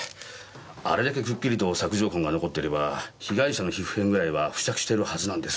あれだけくっきりと索状痕が残っていれば被害者の皮膚片ぐらいは付着しているはずなんですが。